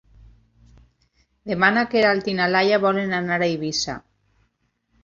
Demà na Queralt i na Laia volen anar a Eivissa.